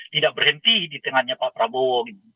tidak berhenti di tengahnya pak prabowo